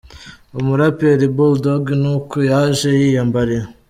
Umuraperi Bull Dogg ni uku yaje yiyambariye.